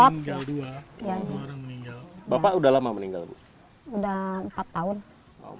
how mudah udah lama meninggal bu udah empat tahun